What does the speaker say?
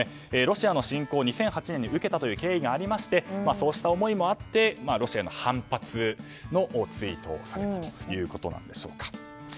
ロシアの侵攻を２００８年に受けたという経緯がありましてそうした思いもあってロシアへの反発のツイートをされたということなんでしょうか。